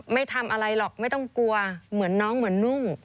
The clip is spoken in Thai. ไม่ทำอะไรหรอกไม่ต้องกลัวเหมือนน้องเหมือนนุ่ง